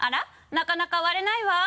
なかなか割れないわ」